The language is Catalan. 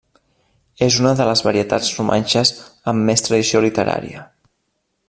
És una de les varietats romanxes amb més tradició literària.